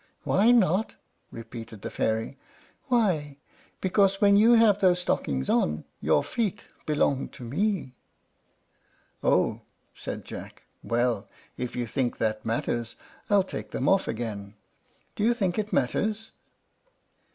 "Why not?" repeated the fairy; "why, because when you have those stockings on, your feet belong to me." "Oh!" said Jack. "Well, if you think that matters, I'll take them off again. Do you think it matters?"